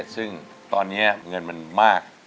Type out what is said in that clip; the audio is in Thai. ซึ่งตอนนี้เงินมันมาก